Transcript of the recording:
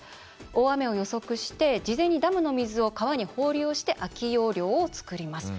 大雨を予測して事前にダムの水を川に放流をして空き容量を作ります。